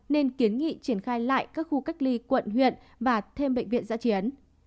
nên kiến nghị triển khai lại các khu cách ly quận huyện và thêm bệnh viện giã chiến